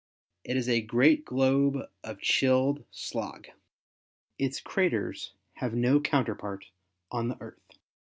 It is a great globe of chilled slag. Its craters have no counterpart on the Earth.